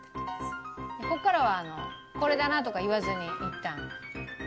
ここからは「これだな」とか言わずにいったん。